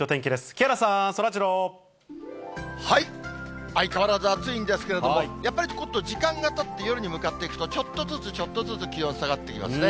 木原さん、そらジロー。相変わらず暑いんですけれども、やっぱりちょっと時間がたって、夜に向かっていくと、ちょっとずつちょっとずつ気温下がってきますね。